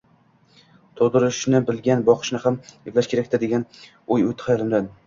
Tug`dirishni bilgan boqishni ham eplashi kerak-da, degan o`y o`tdi xayolimdan